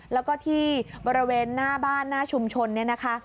แล้วก็ที่บริเวณหน้าบ้านหน้าชุมชนเนี่ยนะคะ